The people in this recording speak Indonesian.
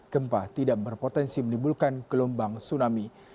gempa tidak berpotensi menimbulkan gelombang tsunami